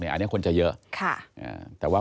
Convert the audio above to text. อาจจะคนจะเยอะ